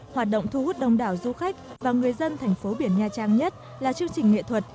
hoạt động thu hút đông đảo du khách và người dân thành phố biển nha trang nhất là chương trình nghệ thuật